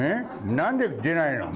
なんで出ないの？